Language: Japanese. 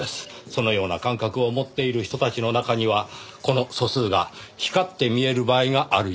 そのような感覚を持っている人たちの中にはこの素数が光って見える場合があるようですよ。